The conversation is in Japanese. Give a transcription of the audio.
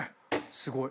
すごい。